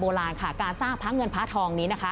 ซึ่งในสมัยโบราณค่ะการสร้างพระเงินพระทองนี้นะคะ